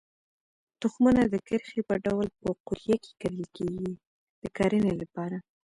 تخمونه د کرښې په ډول په قوریه کې کرل کېږي د کرنې لپاره.